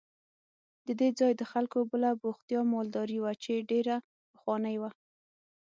د دې ځای د خلکو بله بوختیا مالداري وه چې ډېره پخوانۍ وه.